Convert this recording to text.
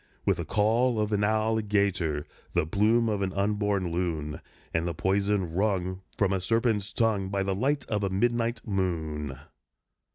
_With the caul of an alligator, The plume of an unborn loon, And the poison wrung From a serpent's tongue By the light of a midnight moon!